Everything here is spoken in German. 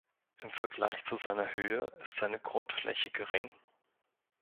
Im Vergleich zu seiner Höhe ist seine Grundfläche gering.